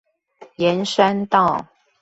沿山道